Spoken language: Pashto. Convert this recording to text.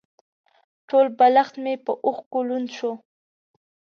ټول بالښت مې په اوښکو لوند شو.